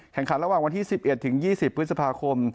แข่งขันระหว่างวันที่๑๑ถึง๒๐พฤษภาคม